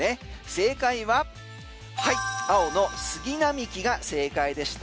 正解は青の杉並木が正解でした。